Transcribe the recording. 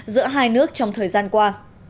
giữa hai nước trong thời gian qua